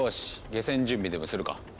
下船準備でもするか。